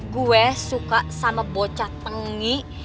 gue suka sama bocah tengi